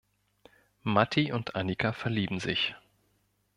Matti und Annika verlieben sich.